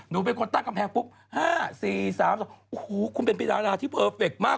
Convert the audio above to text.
นูเป็นคนตั้งกำแพงปุ๊บ๕๔๓๒โอ้โหคุณเป็นใบดาลาภิเฟิร์ฟเฟกต์มาก